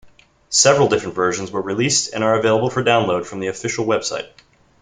Several different versions were released and are available for download from the official website.